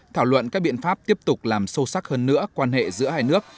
thảo luận các biện pháp tiếp tục làm sâu sắc hơn nữa quan hệ giữa hai nước